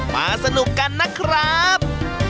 มาสนุกกันนะครับ